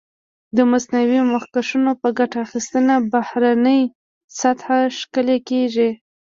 د مصنوعي مخکشونو په ګټه اخیستنه بهرنۍ سطحه ښکلې کېږي.